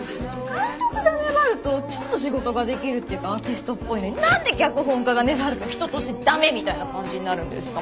監督が粘るとちょっと仕事ができるっていうかアーティストっぽいのに何で脚本家が粘ると人として駄目みたいな感じになるんですか？